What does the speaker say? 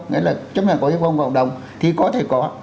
nghĩa là chấp nhận có hiệu quả của cộng đồng thì có thể có